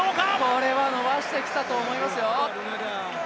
これは伸ばしてきたと思いますよ。